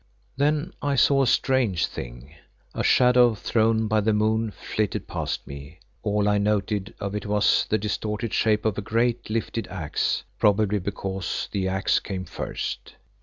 Then I saw a strange thing. A shadow thrown by the moon flitted past me—all I noted of it was the distorted shape of a great, lifted axe, probably because the axe came first.